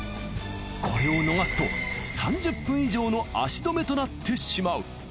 これを逃すと３０分以上の足止めとなってしまう。